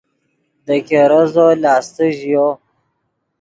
دے ګیرزو لاستے ژیو